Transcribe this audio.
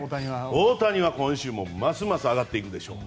大谷は今週ますます上がっていくでしょう。